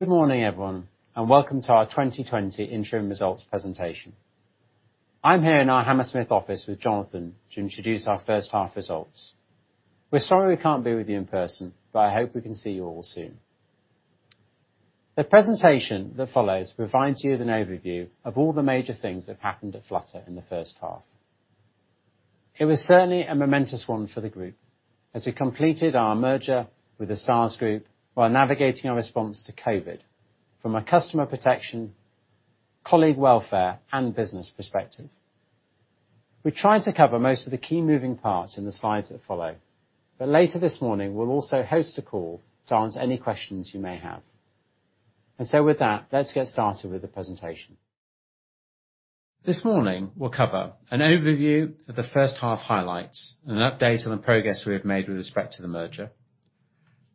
Good morning, everyone, and welcome to our 2020 Interim Results Presentation. I'm here in our Hammersmith office with Jonathan to introduce our H1 results. We're sorry we can't be with you in person, but I hope we can see you all soon. The presentation that follows provides you with an overview of all the major things that happened at Flutter in the H1. It was certainly a momentous one for the group, as we completed our merger with The Stars Group while navigating our response to COVID from a customer protection, colleague welfare, and business perspective. We tried to cover most of the key moving parts in the slides that follow. Later this morning, we'll also host a call to answer any questions you may have. With that, let's get started with the presentation. This morning, we'll cover an overview of the H1 highlights and an update on the progress we have made with respect to the merger.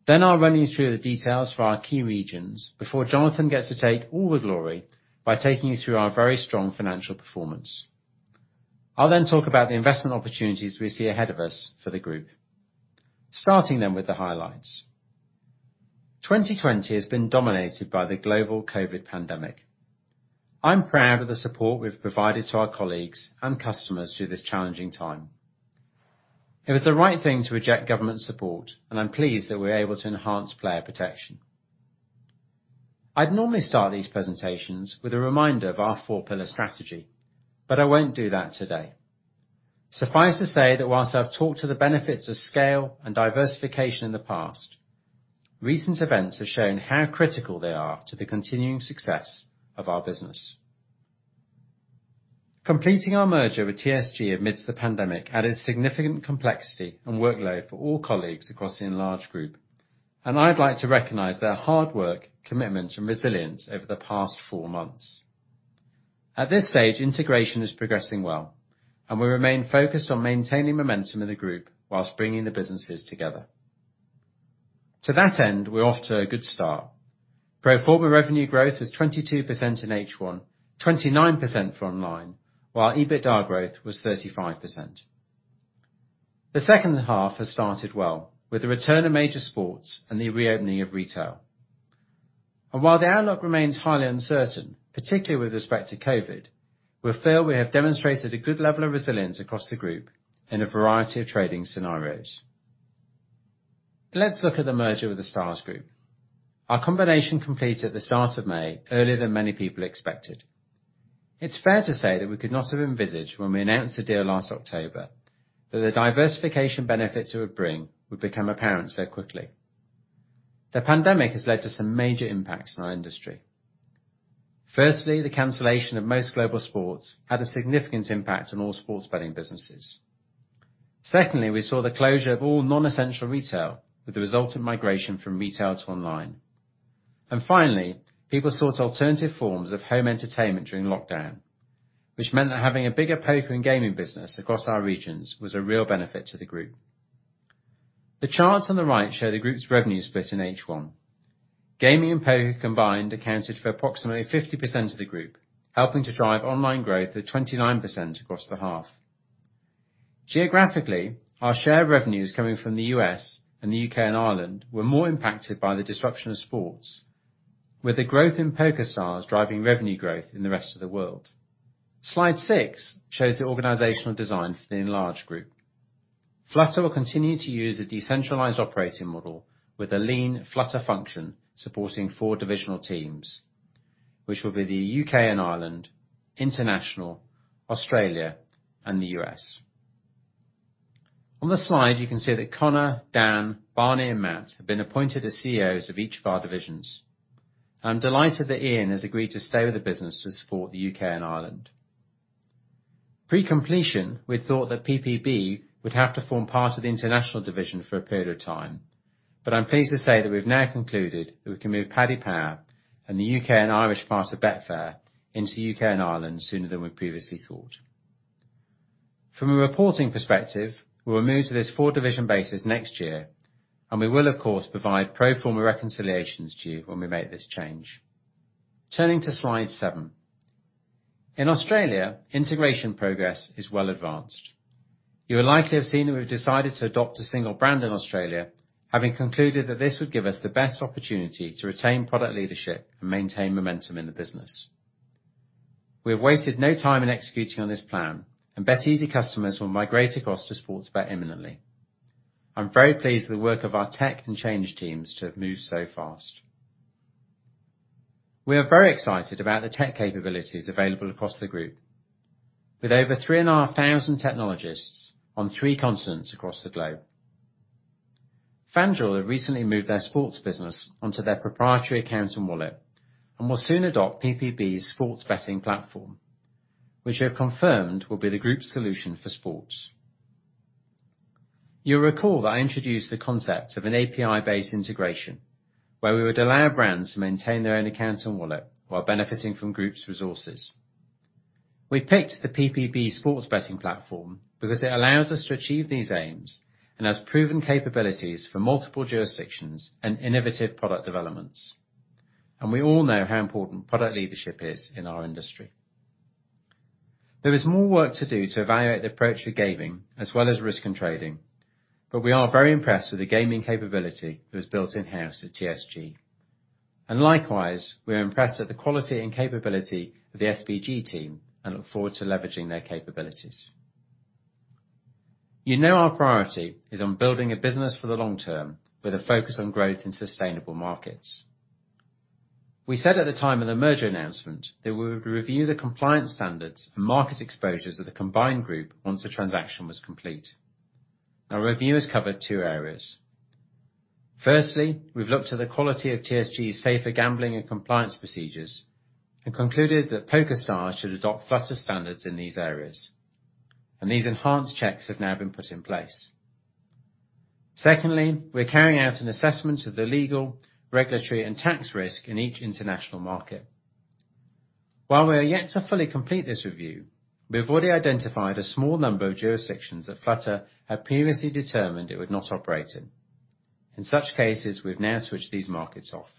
I'll run you through the details for our key regions before Jonathan gets to take all the glory by taking you through our very strong financial performance. I'll then talk about the investment opportunities we see ahead of us for the group. Starting then with the highlights. 2020 has been dominated by the global COVID pandemic. I'm proud of the support we've provided to our colleagues and customers through this challenging time. It was the right thing to reject government support, and I'm pleased that we were able to enhance player protection. I'd normally start these presentations with a reminder of our four pillar strategy, but I won't do that today. Suffice to say that whilst I've talked to the benefits of scale and diversification in the past, recent events have shown how critical they are to the continuing success of our business. Completing our merger with TSG amidst the pandemic added significant complexity and workload for all colleagues across the enlarged group, and I'd like to recognize their hard work, commitment, and resilience over the past four months. At this stage, integration is progressing well, and we remain focused on maintaining momentum in the group whilst bringing the businesses together. To that end, we're off to a good start. Pro forma revenue growth was 22% in H1, 29% for online, while EBITDA growth was 35%. The H2 has started well with the return of major sports and the reopening of retail. While the outlook remains highly uncertain, particularly with respect to COVID, we feel we have demonstrated a good level of resilience across the group in a variety of trading scenarios. Let's look at the merger with The Stars Group. Our combination completed at the start of May, earlier than many people expected. It's fair to say that we could not have envisaged when we announced the deal last October that the diversification benefits it would bring would become apparent so quickly. The pandemic has led to some major impacts in our industry. Firstly, the cancellation of most global sports had a significant impact on all sports betting businesses. Secondly, we saw the closure of all non-essential retail with the resultant migration from retail to online. Finally, people sought alternative forms of home entertainment during lockdown, which meant that having a bigger poker and gaming business across our regions was a real benefit to the group. The charts on the right show the group's revenue split in H1. Gaming and poker combined accounted for approximately 50% of the group, helping to drive online growth of 29% across the half. Geographically, our share of revenues coming from the U.S. and the U.K. and Ireland were more impacted by the disruption of sports, with the growth in PokerStars driving revenue growth in the rest of the world. Slide six shows the organizational design for the enlarged group. Flutter will continue to use a decentralized operating model with a lean Flutter function supporting four divisional teams, which will be the U.K. and Ireland, International, Australia, and the U.S. On the slide, you can see that Conor, Dan, Barni, and Matt have been appointed as CEOs of each of our divisions. I'm delighted that Ian has agreed to stay with the business to support the U.K. and Ireland. Pre-completion, we thought that PPB would have to form part of the international division for a period of time. I'm pleased to say that we've now concluded that we can move Paddy Power and the U.K. and Irish part of Betfair into U.K. and Ireland sooner than we previously thought. From a reporting perspective, we will move to this four-division basis next year. We will, of course, provide pro forma reconciliations to you when we make this change. Turning to slide seven. In Australia, integration progress is well advanced. You will likely have seen that we've decided to adopt a single brand in Australia, having concluded that this would give us the best opportunity to retain product leadership and maintain momentum in the business. We have wasted no time in executing on this plan, and BetEasy customers will migrate across to Sportsbet imminently. I'm very pleased with the work of our tech and change teams to have moved so fast. We are very excited about the tech capabilities available across the group, with over 3,500 technologists on three continents across the globe. FanDuel have recently moved their sports business onto their proprietary account and wallet and will soon adopt PPB's sports betting platform, which they have confirmed will be the group's solution for sports. You will recall that I introduced the concept of an API-based integration where we would allow brands to maintain their own accounts and wallet while benefiting from group's resources. We picked the PPB sports betting platform because it allows us to achieve these aims and has proven capabilities for multiple jurisdictions and innovative product developments. We all know how important product leadership is in our industry. There is more work to do to evaluate the approach for gaming, as well as risk and trading. We are very impressed with the gaming capability that was built in-house at TSG. Likewise, we are impressed at the quality and capability of the SBG team, and look forward to leveraging their capabilities. You know our priority is on building a business for the long term, with a focus on growth in sustainable markets. We said at the time of the merger announcement that we would review the compliance standards and market exposures of the combined group once the transaction was complete. Our review has covered two areas. Firstly, we've looked at the quality of TSG's safer gambling and compliance procedures, and concluded that PokerStars should adopt Flutter standards in these areas, and these enhanced checks have now been put in place. Secondly, we're carrying out an assessment of the legal, regulatory, and tax risk in each international market. While we are yet to fully complete this review, we've already identified a small number of jurisdictions that Flutter had previously determined it would not operate in. In such cases, we've now switched these markets off.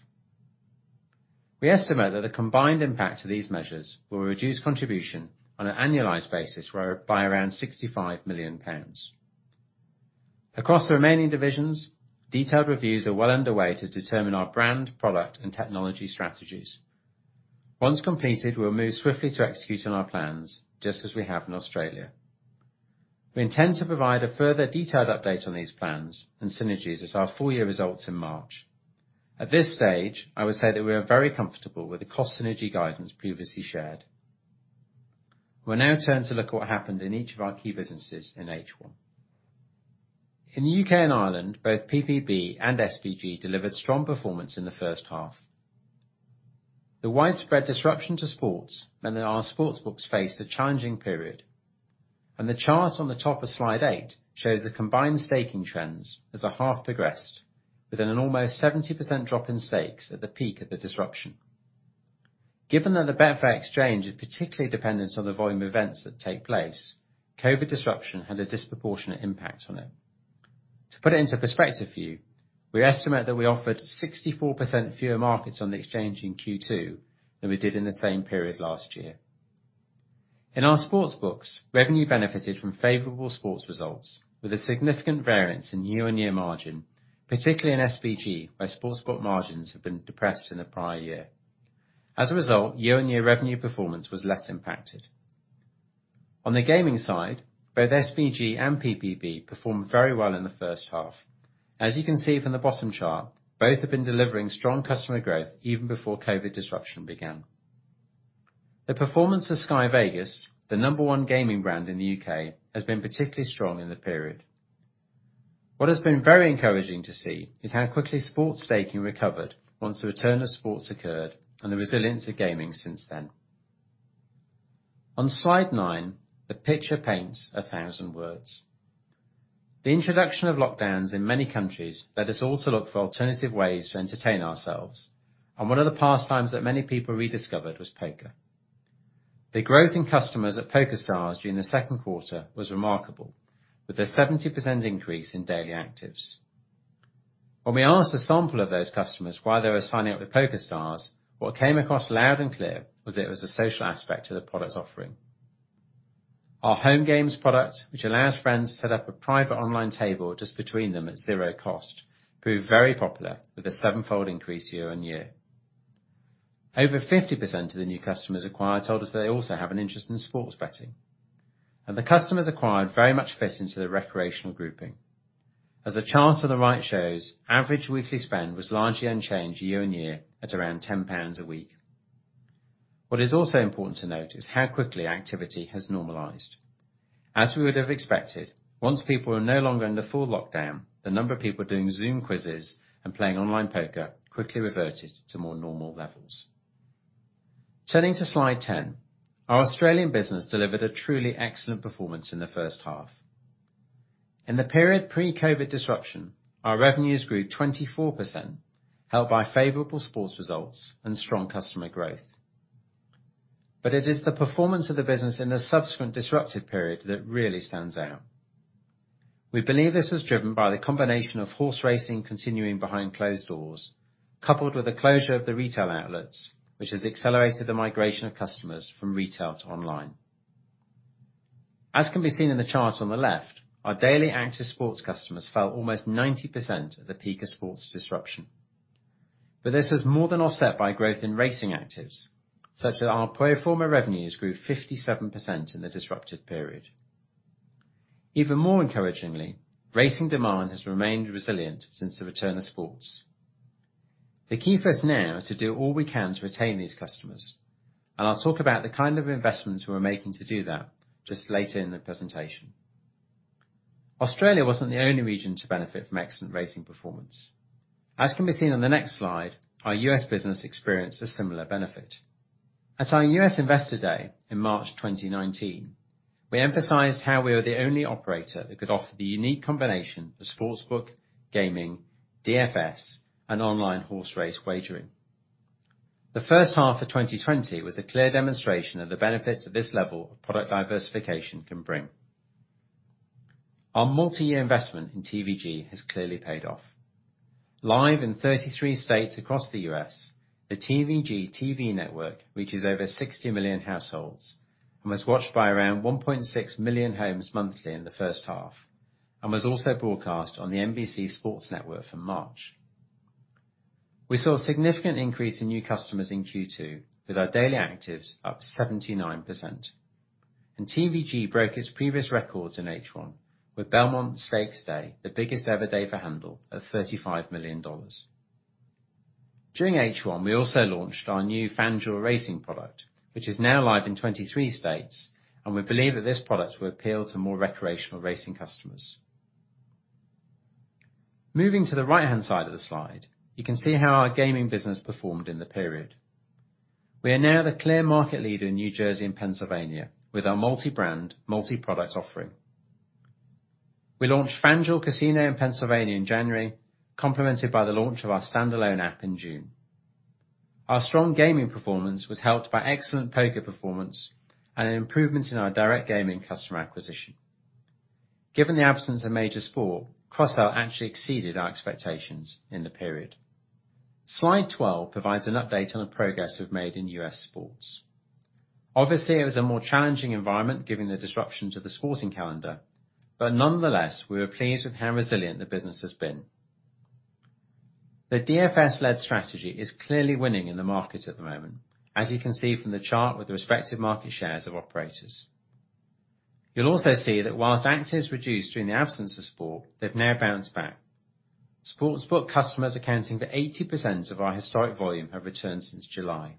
We estimate that the combined impact of these measures will reduce contribution on an annualized basis by around 65 million pounds. Across the remaining divisions, detailed reviews are well underway to determine our brand, product, and technology strategies. Once completed, we'll move swiftly to execute on our plans, just as we have in Australia. We intend to provide a further detailed update on these plans and synergies at our full year results in March. At this stage, I would say that we are very comfortable with the cost synergy guidance previously shared. We'll now turn to look at what happened in each of our key businesses in H1. In the U.K. and Ireland, both PPB and SBG delivered strong performance in the H1. The widespread disruption to sports meant that our sports books faced a challenging period. The chart on the top of slide eight shows the combined staking trends as the half progressed, with an almost 70% drop in stakes at the peak of the disruption. Given that the Betfair Exchange is particularly dependent on the volume of events that take place, COVID disruption had a disproportionate impact on it. To put it into perspective for you, we estimate that we offered 64% fewer markets on the exchange in Q2 than we did in the same period last year. In our sports books, revenue benefited from favorable sports results, with a significant variance in year-on-year margin, particularly in SBG, where sports book margins have been depressed in the prior year. As a result, year-on-year revenue performance was less impacted. On the gaming side, both SBG and PPB performed very well in the H1. As you can see from the bottom chart, both have been delivering strong customer growth even before COVID disruption began. The performance of Sky Vegas, the number one gaming brand in the U.K., has been particularly strong in the period. What has been very encouraging to see is how quickly sports staking recovered once the return of sports occurred, and the resilience of gaming since then. On slide nine, the picture paints a 1,000 words. The introduction of lockdowns in many countries led us all to look for alternative ways to entertain ourselves. One of the pastimes that many people rediscovered was poker. The growth in customers at PokerStars during the Q2 was remarkable, with a 70% increase in daily actives. When we asked a sample of those customers why they were signing up with PokerStars, what came across loud and clear was that it was the social aspect of the product's offering. Our Home Games product, which allows friends to set up a private online table just between them at zero cost, proved very popular, with a sevenfold increase year-on-year. Over 50% of the new customers acquired told us that they also have an interest in sports betting. The customers acquired very much fit into the recreational grouping. As the chart on the right shows, average weekly spend was largely unchanged year-on-year at around 10 pounds a week. What is also important to note is how quickly activity has normalized. As we would have expected, once people were no longer under full lockdown, the number of people doing Zoom quizzes and playing online poker quickly reverted to more normal levels. Turning to slide 10, our Australian business delivered a truly excellent performance in the H1. In the period pre-COVID disruption, our revenues grew 24%, helped by favorable sports results and strong customer growth. It is the performance of the business in the subsequent disruptive period that really stands out. We believe this was driven by the combination of horse racing continuing behind closed doors, coupled with the closure of the retail outlets, which has accelerated the migration of customers from retail to online. As can be seen in the chart on the left, our daily active sports customers fell almost 90% at the peak of sports disruption. This was more than offset by growth in racing actives, such that our pro forma revenues grew 57% in the disruptive period. Even more encouragingly, racing demand has remained resilient since the return of sports. The key for us now is to do all we can to retain these customers, and I'll talk about the kind of investments we're making to do that just later in the presentation. Australia wasn't the only region to benefit from excellent racing performance. As can be seen on the next slide, our U.S. business experienced a similar benefit. At our U.S. Investor Day in March 2019, we emphasized how we were the only operator that could offer the unique combination of Sportsbook, gaming, DFS, and online horse race wagering. The H1 of 2020 was a clear demonstration of the benefits that this level of product diversification can bring. Our multi-year investment in TVG has clearly paid off. Live in 33 states across the U.S., the TVG TV network reaches over 60 million households and was watched by around 1.6 million homes monthly in the H1, and was also broadcast on the NBC Sports network from March. We saw a significant increase in new customers in Q2, with our daily actives up 79%. TVG broke its previous records in H1 with Belmont Stakes day, the biggest ever day for handle at $35 million. During H1, we also launched our new FanDuel Racing product, which is now live in 23 states, and we believe that this product will appeal to more recreational racing customers. Moving to the right-hand side of the slide, you can see how our gaming business performed in the period. We are now the clear market leader in New Jersey and Pennsylvania, with our multi-brand, multi-product offering. We launched FanDuel Casino in Pennsylvania in January, complemented by the launch of our standalone app in June. Our strong gaming performance was helped by excellent poker performance and an improvement in our direct gaming customer acquisition. Given the absence of major sport, cross-sell actually exceeded our expectations in the period. Slide 12 provides an update on the progress we've made in U.S. sports. Obviously, it was a more challenging environment, given the disruption to the sporting calendar. Nonetheless, we were pleased with how resilient the business has been. The DFS-led strategy is clearly winning in the market at the moment, as you can see from the chart with the respective market shares of operators. You'll also see that whilst actives reduced during the absence of sport, they've now bounced back. Sportsbook customers accounting for 80% of our historic volume have returned since July.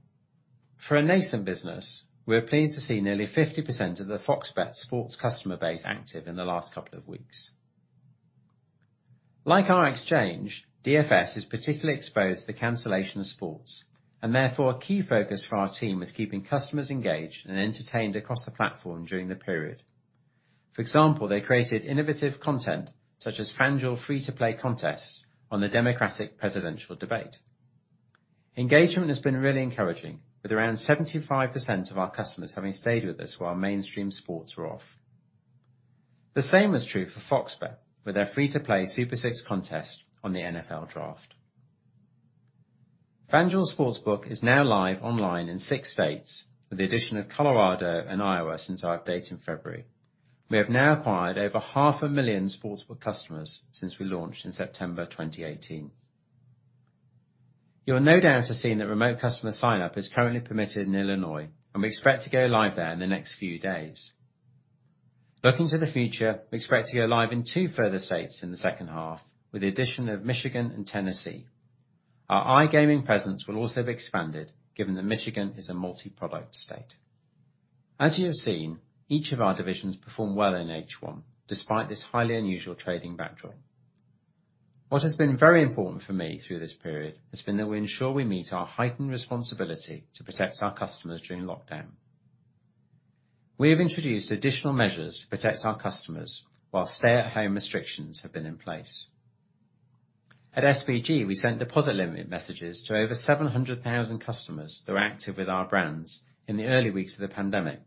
For a nascent business, we are pleased to see nearly 50% of the FOX Bet sports customer base active in the last couple of weeks. Like our exchange, DFS is particularly exposed to the cancellation of sports, and therefore a key focus for our team was keeping customers engaged and entertained across the platform during the period. For example, they created innovative content such as FanDuel free-to-play contests on the Democratic presidential debate. Engagement has been really encouraging, with around 75% of our customers having stayed with us while our mainstream sports were off. The same was true for FOX Bet, with their free-to-play Super 6 contest on the NFL draft. FanDuel Sportsbook is now live online in six states, with the addition of Colorado and Iowa since our update in February. We have now acquired over half a million sportsbook customers since we launched in September 2018. You'll no doubt have seen that remote customer sign-up is currently permitted in Illinois, and we expect to go live there in the next few days. Looking to the future, we expect to go live in two further states in the H2, with the addition of Michigan and Tennessee. Our iGaming presence will also be expanded given that Michigan is a multi-product state. As you have seen, each of our divisions performed well in H1, despite this highly unusual trading backdrop. What has been very important for me through this period has been that we ensure we meet our heightened responsibility to protect our customers during lockdown. We have introduced additional measures to protect our customers, while stay-at-home restrictions have been in place. At SBG, we sent deposit limit messages to over 700,000 customers that were active with our brands in the early weeks of the pandemic.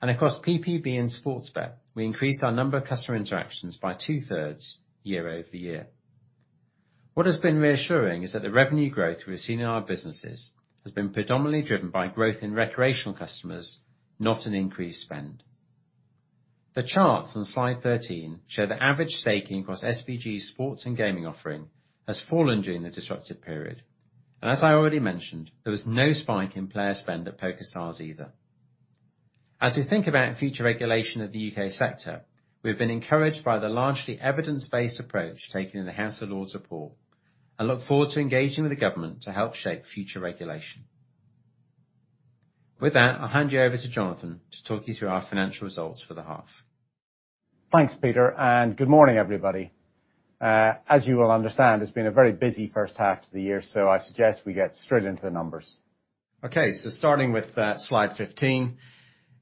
Across PPB and Sportsbet, we increased our number of customer interactions by two-thirds year-over-year. What has been reassuring is that the revenue growth we've seen in our businesses has been predominantly driven by growth in recreational customers, not an increased spend. The charts on slide 13 show the average staking across SBG sports and gaming offering has fallen during the disruptive period. As I already mentioned, there was no spike in player spend at PokerStars either. As we think about future regulation of the U.K. sector, we've been encouraged by the largely evidence-based approach taken in the House of Lords report, and look forward to engaging with the government to help shape future regulation. With that, I'll hand you over to Jonathan to talk you through our financial results for the half. Thanks, Peter, and good morning, everybody. As you will understand, it's been a very busy H1 to the year, so I suggest we get straight into the numbers. Starting with slide 15.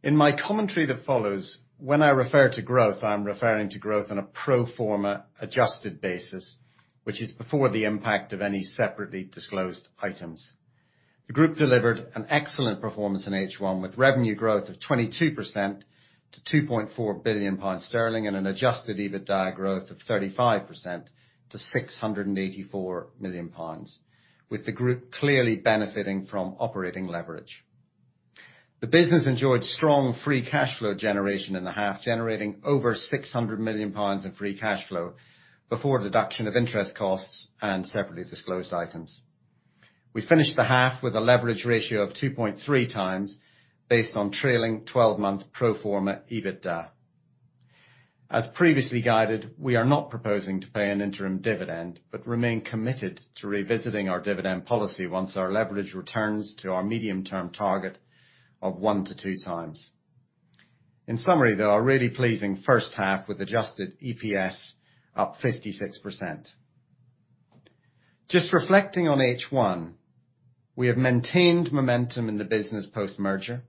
In my commentary that follows, when I refer to growth, I'm referring to growth in a pro forma adjusted basis, which is before the impact of any Separately Disclosed Items. The group delivered an excellent performance in H1, with revenue growth of 22% to 2.4 billion pounds and an Adjusted EBITDA growth of 35% to 684 million pounds, with the group clearly benefiting from operating leverage. The business enjoyed strong free cash flow generation in the half, generating over 600 million pounds in free cash flow before deduction of interest costs and Separately Disclosed Items. We finished the half with a leverage ratio of 2.3x based on trailing 12-month pro forma EBITDA. As previously guided, we are not proposing to pay an interim dividend. Remain committed to revisiting our dividend policy once our leverage returns to our medium-term target of 1-2x. In summary, though, a really pleasing H1 with adjusted EPS up 56%. Just reflecting on H1, we have maintained momentum in the business post-merger.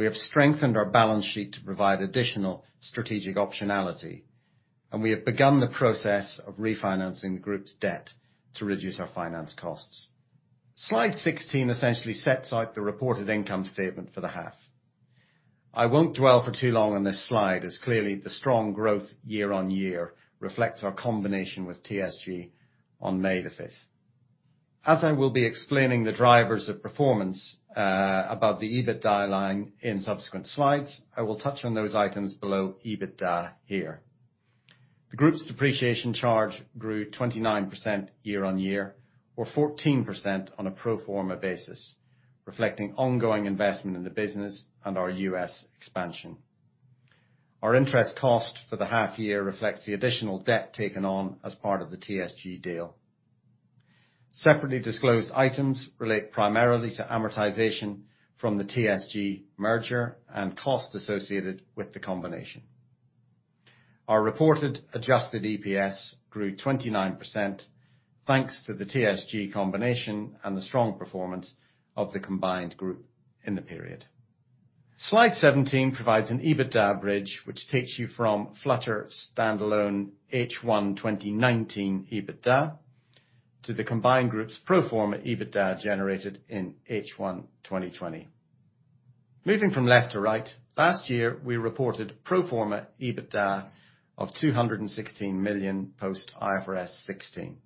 We have strengthened our balance sheet to provide additional strategic optionality. We have begun the process of refinancing the group's debt to reduce our finance costs. Slide 16 essentially sets out the reported income statement for the half. I won't dwell for too long on this slide, as clearly the strong growth year-on-year reflects our combination with TSG on May 5th. As I will be explaining the drivers of performance above the EBITDA line in subsequent slides, I will touch on those items below EBITDA here. The group's depreciation charge grew 29% year on year or 14% on a pro forma basis, reflecting ongoing investment in the business and our U.S. expansion. Our interest cost for the half year reflects the additional debt taken on as part of the TSG deal. Separately Disclosed Items relate primarily to amortization from the TSG merger and costs associated with the combination. Our reported adjusted EPS grew 29%, thanks to the TSG combination and the strong performance of the combined group in the period. Slide 17 provides an EBITDA bridge, which takes you from Flutter standalone H1 2019 EBITDA to the combined group's pro forma EBITDA generated in H1 2020. Moving from left to right, last year, we reported pro forma EBITDA of 216 million post IFRS 16.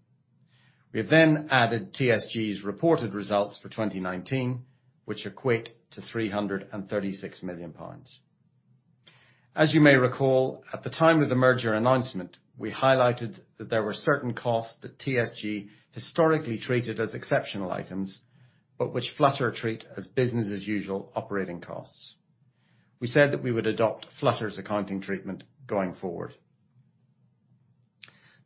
We have then added TSG's reported results for 2019, which equate to 336 million pounds. As you may recall, at the time of the merger announcement, we highlighted that there were certain costs that TSG historically treated as exceptional items, but which Flutter treat as business as usual operating costs. We said that we would adopt Flutter's accounting treatment going forward.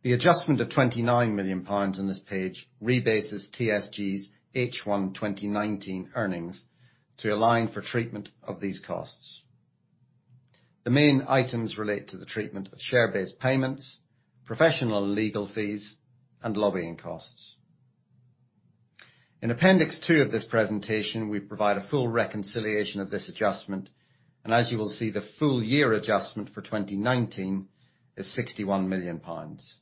The adjustment of 29 million pounds on this page rebases TSG's H1 2019 earnings to align for treatment of these costs. The main items relate to the treatment of share-based payments, professional legal fees, and lobbying costs. In Appendix 2 of this presentation, we provide a full reconciliation of this adjustment, and as you will see, the full year adjustment for 2019 is 61 million pounds.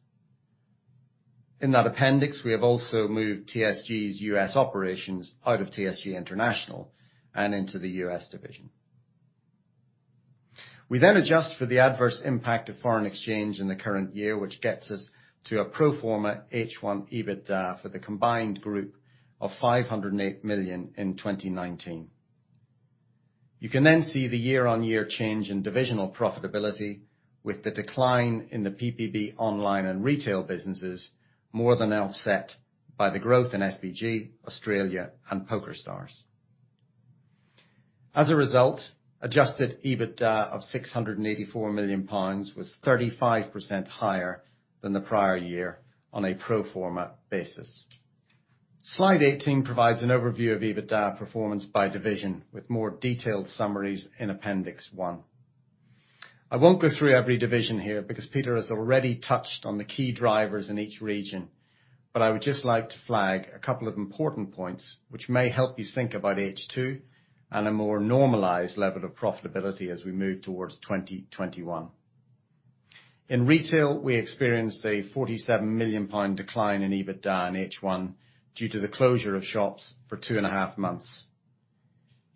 In that appendix, we have also moved TSG's U.S. operations out of TSG International and into the U.S. division. We then adjust for the adverse impact of foreign exchange in the current year, which gets us to a pro forma H1 EBITDA for the combined group of 508 million in 2019. You can see the year-over-year change in divisional profitability with the decline in the PPB Online and Retail businesses more than offset by the growth in SBG, Australia, and PokerStars. As a result, Adjusted EBITDA of 684 million pounds was 35% higher than the prior year on a pro forma basis. Slide 18 provides an overview of EBITDA performance by division with more detailed summaries in Appendix one. I won't go through every division here because Peter has already touched on the key drivers in each region, but I would just like to flag a couple of important points which may help you think about H2 and a more normalized level of profitability as we move towards 2021. In retail, we experienced a 47 million pound decline in EBITDA in H1 due to the closure of shops for two and a half months.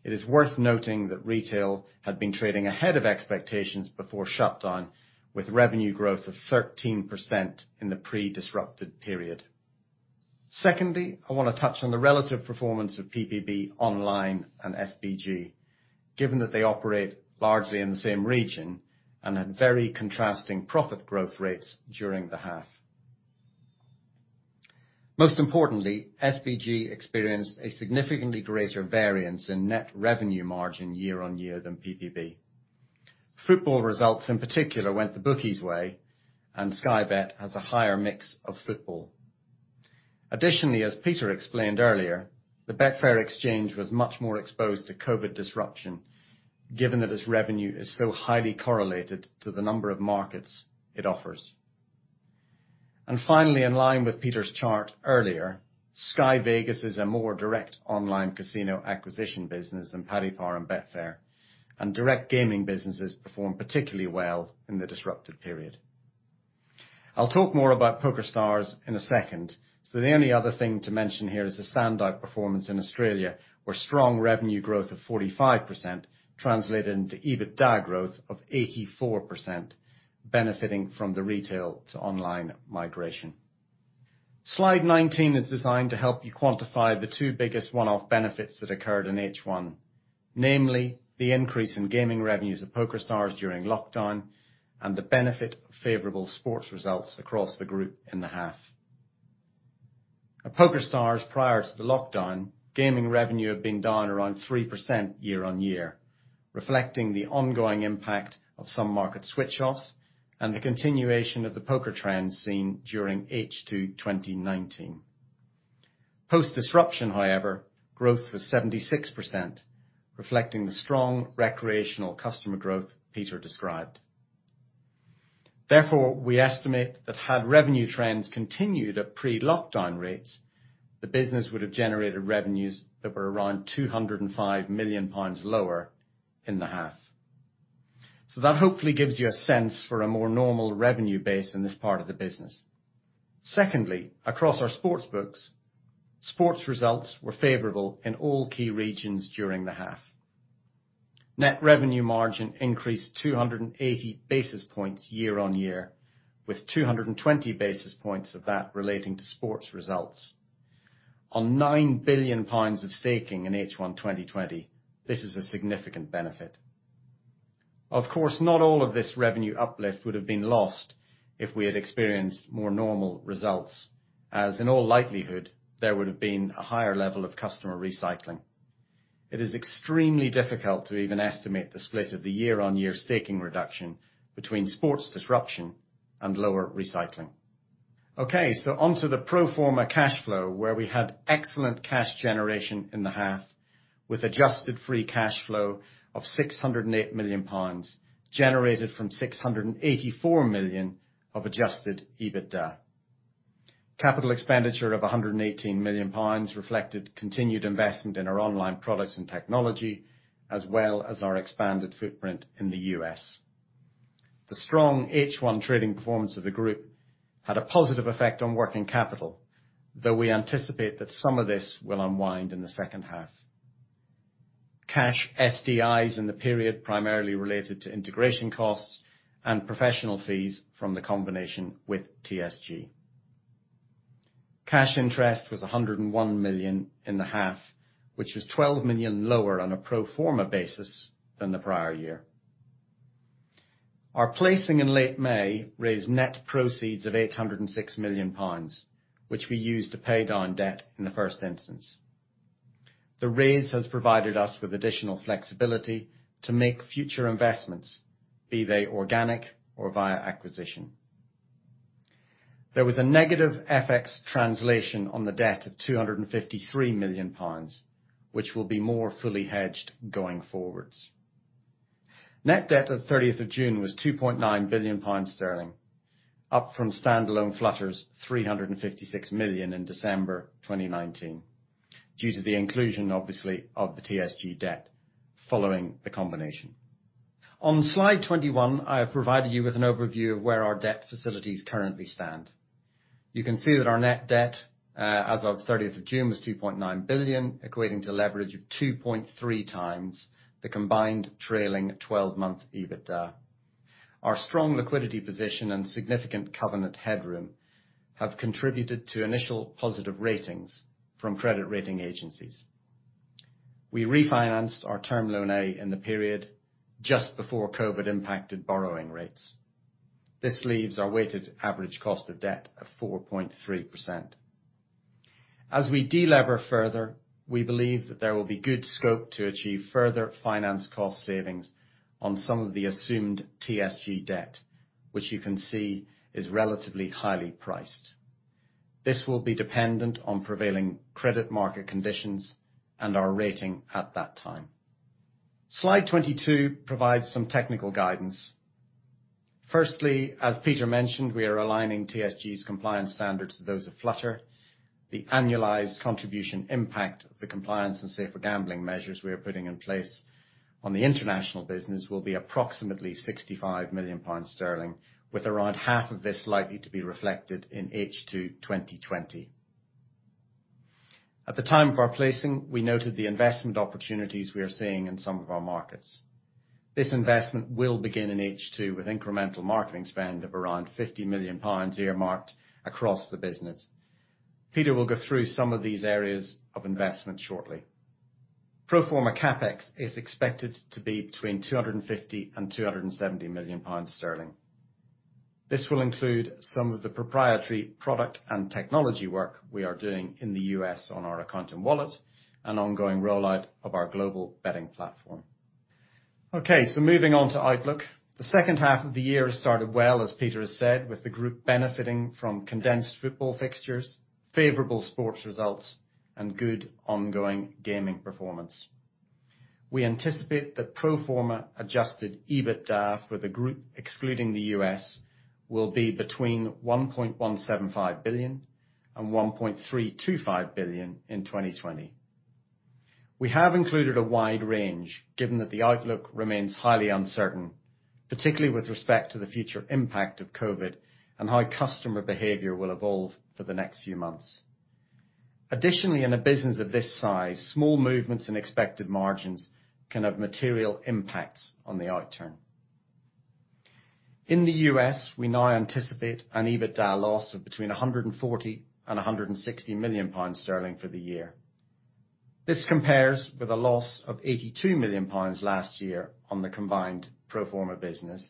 It is worth noting that retail had been trading ahead of expectations before shutdown, with revenue growth of 13% in the pre-disrupted period. Secondly, I want to touch on the relative performance of PPB Online and SBG, given that they operate largely in the same region and had very contrasting profit growth rates during the half. Most importantly, SBG experienced a significantly greater variance in net revenue margin year-on-year than PPB. Football results, in particular, went the bookies way, and Sky Bet has a higher mix of football. Additionally, as Peter explained earlier, the Betfair Exchange was much more exposed to COVID disruption, given that its revenue is so highly correlated to the number of markets it offers. Finally, in line with Peter's chart earlier, Sky Vegas is a more direct online casino acquisition business than Paddy Power and Betfair, and direct gaming businesses performed particularly well in the disrupted period. I'll talk more about PokerStars in a second, so the only other thing to mention here is the standout performance in Australia, where strong revenue growth of 45% translated into EBITDA growth of 84%, benefiting from the retail to online migration. Slide 19 is designed to help you quantify the two biggest one-off benefits that occurred in H1, namely, the increase in gaming revenues of PokerStars during lockdown, and the benefit of favorable sports results across the group in the half. At PokerStars, prior to the lockdown, gaming revenue had been down around 3% year on year, reflecting the ongoing impact of some market switch-offs and the continuation of the poker trends seen during H2 2019. Post-disruption, however, growth was 76%, reflecting the strong recreational customer growth Peter described. We estimate that had revenue trends continued at pre-lockdown rates, the business would have generated revenues that were around 205 million pounds lower in the half. That hopefully gives you a sense for a more normal revenue base in this part of the business. Secondly, across our sports books, sports results were favorable in all key regions during the half. Net revenue margin increased 280 basis points year on year, with 220 basis points of that relating to sports results. On 9 billion pounds of staking in H1 2020, this is a significant benefit. Of course, not all of this revenue uplift would have been lost if we had experienced more normal results, as in all likelihood, there would have been a higher level of customer recycling. It is extremely difficult to even estimate the split of the year-on-year staking reduction between sports disruption and lower recycling. On to the pro forma cash flow, where we had excellent cash generation in the half, with adjusted free cash flow of 608 million pounds, generated from 684 million of Adjusted EBITDA. Capital expenditure of 118 million pounds reflected continued investment in our online products and technology, as well as our expanded footprint in the U.S. The strong H1 trading performance of the group had a positive effect on working capital, though we anticipate that some of this will unwind in the H2. Cash SDIs in the period primarily related to integration costs and professional fees from the combination with TSG. Cash interest was 101 million in the half, which was 12 million lower on a pro forma basis than the prior year. Our placing in late May raised net proceeds of 806 million pounds, which we used to pay down debt in the first instance. The raise has provided us with additional flexibility to make future investments, be they organic or via acquisition. There was a negative FX translation on the debt of 253 million pounds, which will be more fully hedged going forwards. Net debt at 30th June was 2.9 billion pounds, up from standalone Flutter's 356 million in December 2019, due to the inclusion, obviously, of the TSG debt following the combination. On slide 21, I have provided you with an overview of where our debt facilities currently stand. You can see that our net debt as of 30th June was 2.9 billion, equating to leverage of 2.3x the combined trailing 12-month EBITDA. Our strong liquidity position and significant covenant headroom have contributed to initial positive ratings from credit rating agencies. We refinanced our term loan A in the period, just before COVID impacted borrowing rates. This leaves our weighted average cost of debt at 4.3%. As we de-lever further, we believe that there will be good scope to achieve further finance cost savings on some of the assumed TSG debt, which you can see is relatively highly priced. This will be dependent on prevailing credit market conditions and our rating at that time. Slide 22 provides some technical guidance. Firstly, as Peter mentioned, we are aligning TSG's compliance standards to those of Flutter. The annualized contribution impact of the compliance and safer gambling measures we are putting in place on the international business will be approximately 65 million pounds, with around half of this likely to be reflected in H2 2020. At the time of our placing, we noted the investment opportunities we are seeing in some of our markets. This investment will begin in H2 with incremental marketing spend of around 50 million pounds earmarked across the business. Peter will go through some of these areas of investment shortly. Pro forma CapEx is expected to be between 250 million and 270 million pounds. This will include some of the proprietary product and technology work we are doing in the U.S. on our account and wallet, and ongoing rollout of our global betting platform. Okay, moving on to outlook. The H2 of the year has started well, as Peter has said, with the group benefiting from condensed football fixtures, favorable sports results, and good ongoing gaming performance. We anticipate that pro forma Adjusted EBITDA for the group, excluding the U.S., will be between 1.175 billion and 1.325 billion in 2020. We have included a wide range, given that the outlook remains highly uncertain, particularly with respect to the future impact of COVID and how customer behavior will evolve for the next few months. Additionally, in a business of this size, small movements in expected margins can have material impacts on the outturn. In the U.S., we now anticipate an EBITDA loss of between 140 million and 160 million pounds for the year. This compares with a loss of 82 million pounds last year on the combined pro forma business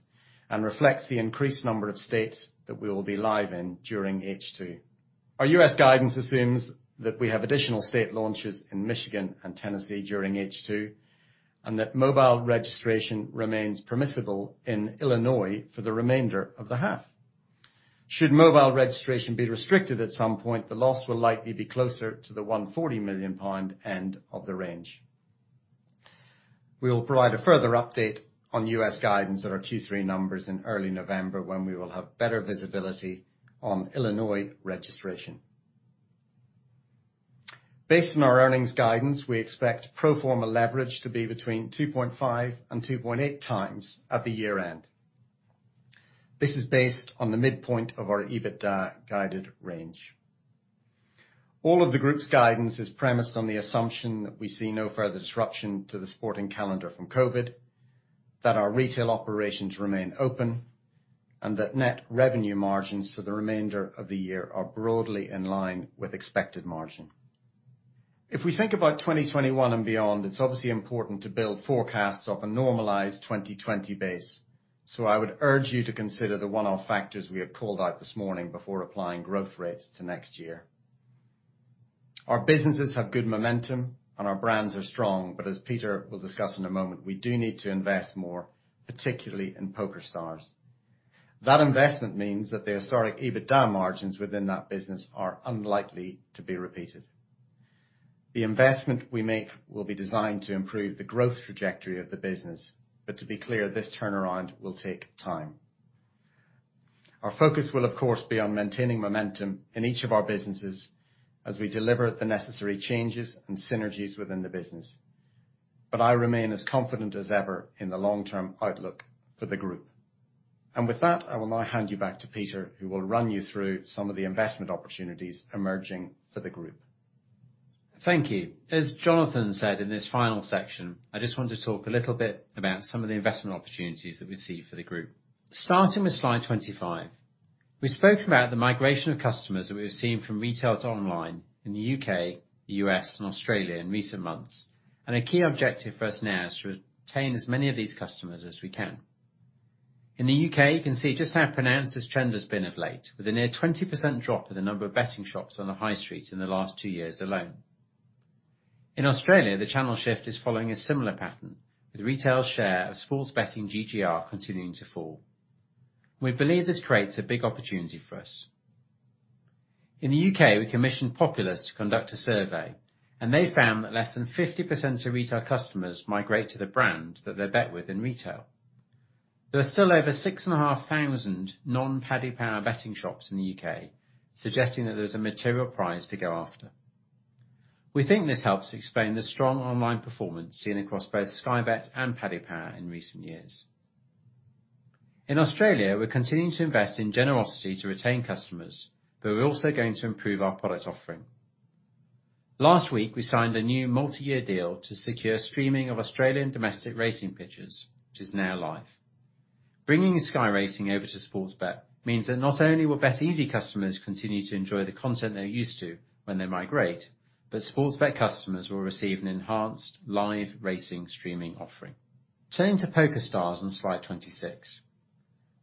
and reflects the increased number of states that we will be live in during H2. Our U.S. guidance assumes that we have additional state launches in Michigan and Tennessee during H2, and that mobile registration remains permissible in Illinois for the remainder of the half. Should mobile registration be restricted at some point, the loss will likely be closer to the 140 million pound end of the range. We will provide a further update on U.S. guidance at our Q3 numbers in early November, when we will have better visibility on Illinois registration. Based on our earnings guidance, we expect pro forma leverage to be between 2.5x and 2.8x at the year-end. This is based on the midpoint of our EBITDA guided range. All of the group's guidance is premised on the assumption that we see no further disruption to the sporting calendar from COVID, that our retail operations remain open, and that net revenue margins for the remainder of the year are broadly in line with expected margin. If we think about 2021 and beyond, it's obviously important to build forecasts off a normalized 2020 base, so I would urge you to consider the one-off factors we have called out this morning before applying growth rates to next year. Our businesses have good momentum and our brands are strong, but as Peter will discuss in a moment, we do need to invest more, particularly in PokerStars. That investment means that the historic EBITDA margins within that business are unlikely to be repeated. The investment we make will be designed to improve the growth trajectory of the business, but to be clear, this turnaround will take time. Our focus will, of course, be on maintaining momentum in each of our businesses as we deliver the necessary changes and synergies within the business. I remain as confident as ever in the long-term outlook for the group. With that, I will now hand you back to Peter, who will run you through some of the investment opportunities emerging for the group. Thank you. As Jonathan said, in this final section, I just want to talk a little bit about some of the investment opportunities that we see for the group. Starting with slide 25, we've spoken about the migration of customers that we've seen from retail to online in the U.K., the U.S., and Australia in recent months. A key objective for us now is to retain as many of these customers as we can. In the U.K., you can see just how pronounced this trend has been of late, with a near 20% drop in the number of betting shops on the high street in the last two years alone. In Australia, the channel shift is following a similar pattern, with retail's share of sports betting GGR continuing to fall. We believe this creates a big opportunity for us. In the U.K., we commissioned Populus to conduct a survey. They found that less than 50% of retail customers migrate to the brand that they bet with in retail. There are still over 6,500 non-Paddy Power betting shops in the U.K., suggesting that there's a material prize to go after. We think this helps explain the strong online performance seen across both Sky Bet and Paddy Power in recent years. In Australia, we're continuing to invest in generosity to retain customers. We're also going to improve our product offering. Last week, we signed a new multi-year deal to secure streaming of Australian domestic racing pictures, which is now live. Bringing Sky Racing over to Sportsbet means that not only will BetEasy customers continue to enjoy the content they're used to when they migrate, Sportsbet customers will receive an enhanced live racing streaming offering. Turning to PokerStars on slide 26,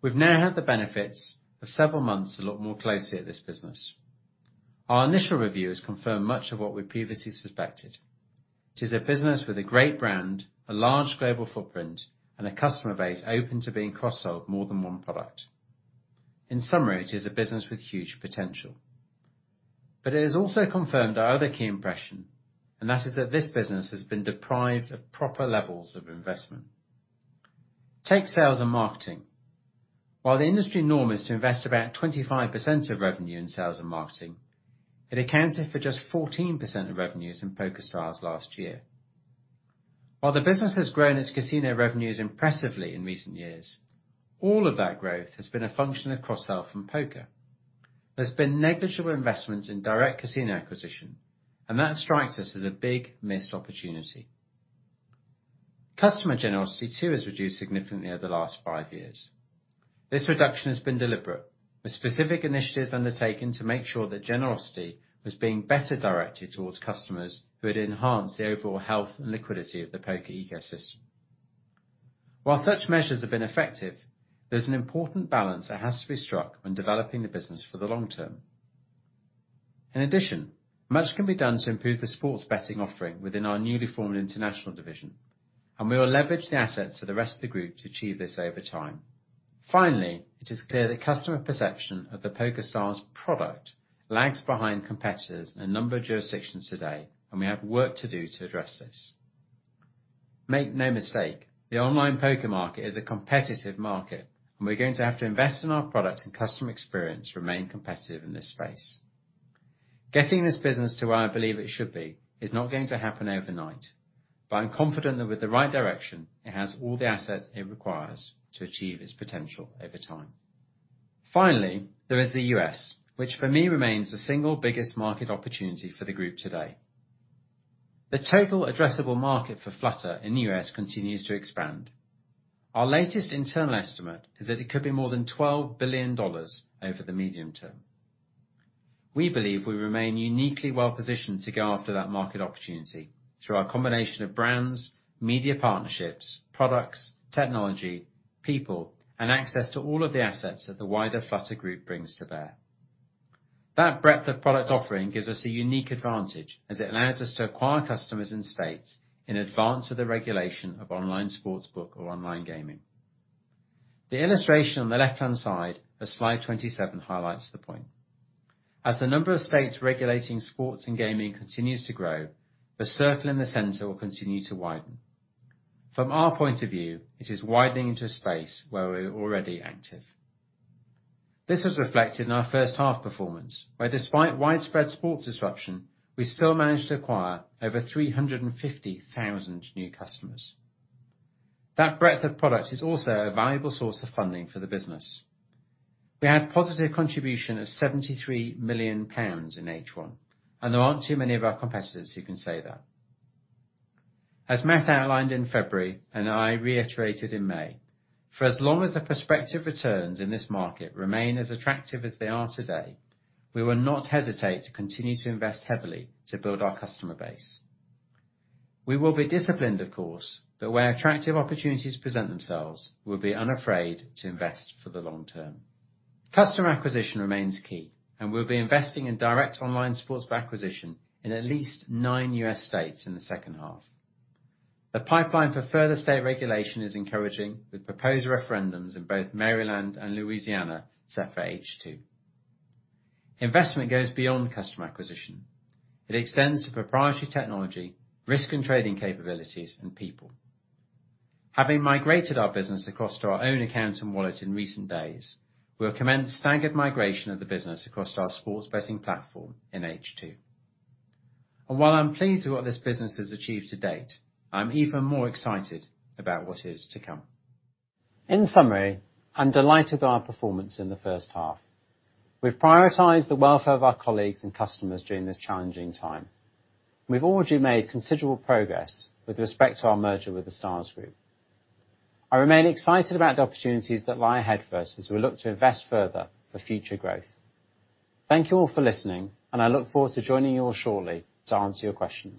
we've now had the benefits of several months to look more closely at this business. Our initial reviews confirm much of what we previously suspected. It is a business with a great brand, a large global footprint, and a customer base open to being cross-sold more than one product. In summary, it is a business with huge potential. It has also confirmed our other key impression, and that is that this business has been deprived of proper levels of investment. Take sales and marketing. While the industry norm is to invest about 25% of revenue in sales and marketing, it accounted for just 14% of revenues in PokerStars last year. While the business has grown its casino revenues impressively in recent years, all of that growth has been a function of cross-sell from Poker. There's been negligible investment in direct casino acquisition, and that strikes us as a big missed opportunity. Customer generosity, too, has reduced significantly over the last five years. This reduction has been deliberate, with specific initiatives undertaken to make sure that generosity was being better directed towards customers who would enhance the overall health and liquidity of the poker ecosystem. While such measures have been effective, there's an important balance that has to be struck when developing the business for the long term. In addition, much can be done to improve the sports betting offering within our newly formed International division, and we will leverage the assets of the rest of the group to achieve this over time. Finally, it is clear the customer perception of the PokerStars product lags behind competitors in a number of jurisdictions today, and we have work to do to address this. Make no mistake, the online poker market is a competitive market, and we're going to have to invest in our product and customer experience to remain competitive in this space. Getting this business to where I believe it should be is not going to happen overnight, but I'm confident that with the right direction, it has all the assets it requires to achieve its potential over time. Finally, there is the U.S., which for me remains the single biggest market opportunity for the group today. The total addressable market for Flutter in the U.S. continues to expand. Our latest internal estimate is that it could be more than GBP 12 billion over the medium term. We believe we remain uniquely well-positioned to go after that market opportunity through our combination of brands, media partnerships, products, technology, people, and access to all of the assets that the wider Flutter group brings to bear. That breadth of product offering gives us a unique advantage as it allows us to acquire customers in states in advance of the regulation of online sportsbook or online gaming. The illustration on the left-hand side of slide 27 highlights the point. As the number of states regulating sports and gaming continues to grow, the circle in the center will continue to widen. From our point of view, it is widening into a space where we're already active. This is reflected in our H1 performance, where despite widespread sports disruption, we still managed to acquire over 350,000 new customers. That breadth of product is also a valuable source of funding for the business. We had positive contribution of 73 million pounds in H1. There aren't too many of our competitors who can say that. As Matt outlined in February, and I reiterated in May, for as long as the prospective returns in this market remain as attractive as they are today, we will not hesitate to continue to invest heavily to build our customer base. We will be disciplined, of course, but where attractive opportunities present themselves, we'll be unafraid to invest for the long term. Customer acquisition remains key. We'll be investing in direct online sports acquisition in at least nine U.S. states in the H2. The pipeline for further state regulation is encouraging, with proposed referendums in both Maryland and Louisiana set for H2. Investment goes beyond customer acquisition. It extends to proprietary technology, risk and trading capabilities, and people. Having migrated our business across to our own accounts and wallets in recent days, we'll commence staggered migration of the business across our sports betting platform in H2. While I'm pleased with what this business has achieved to date, I'm even more excited about what is to come. In summary, I'm delighted with our performance in the H1. We've prioritized the welfare of our colleagues and customers during this challenging time. We've already made considerable progress with respect to our merger with The Stars Group. I remain excited about the opportunities that lie ahead for us as we look to invest further for future growth. Thank you all for listening, and I look forward to joining you all shortly to answer your questions.